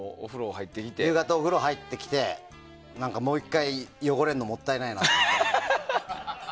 夕方、お風呂入ってきてもう１回、汚れるのもったいないなって思って。